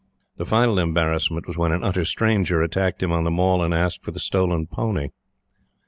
The final embarrassment was when an utter stranger attacked him on the Mall and asked for the stolen pony.